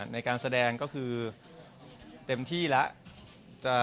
ในการแสดงก็คือเต็มที่แล้ว